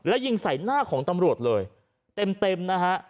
และยิงใส่หน้าของตำรวจเลยเต็มนะฮะ